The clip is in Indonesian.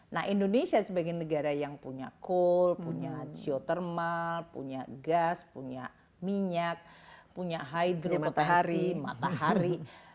nah indonesia sebagai negara yang punya coal punya geothermal punya gas punya minyak punya hydro matahari matahari